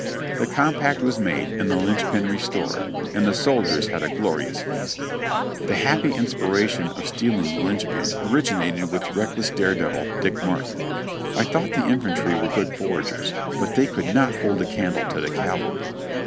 The compact was made and the linchpin restored, and the soldiers had a glorious feast. Tlie happy inspiration of stealing the linchpin originated with the reckless dare devil Dick Martin. I thought the infantry were good foragers, but they could not hold a candle to the cavalry.